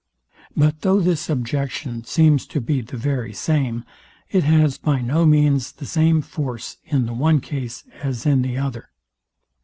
But though this objection seems to be the very same, it has by no means the same force, in the one case as in the other.